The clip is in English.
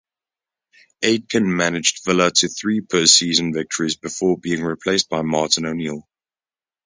Aitken managed Villa to three pre-season victories before being replaced by Martin O'Neill.